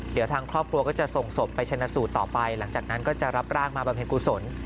เดี๋ยวทางครอบครัวก็จะส่งศพไปชนะสูตรต่อไปหลังจากนั้นก็จะรับร่างมาบำเพ็ญกุศล